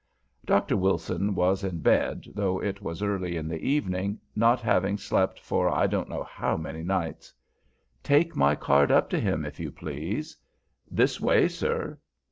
Dr. Wilson was in bed, though it was early in the evening, not having slept for I don't know how many nights. "Take my card up to him, if you please." "This way, sir."